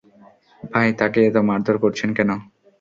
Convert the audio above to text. ভাই, তাকে এত মারধর করছেন কেন?